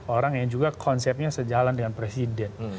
orang yang juga konsepnya sejalan dengan presiden